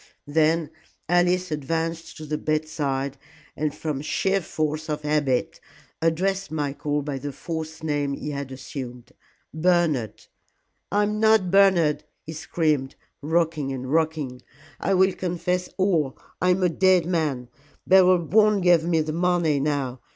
Then Alice advanced to the bedside, and from sheer force of habit addressed Michael by the false name he had assumed. "Bernard " "I am not Bernard," he screamed, rocking and rocking. "I will confess all. I am a dead man. Beryl won't give me the money now.